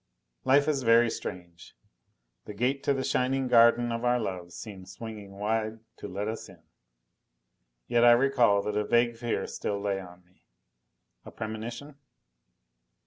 Life is very strange! The gate to the shining garden of our love seemed swinging wide to let us in. Yet I recall that a vague fear still lay on me. A premonition?